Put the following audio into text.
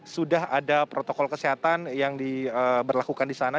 sudah ada protokol kesehatan yang diberlakukan di sana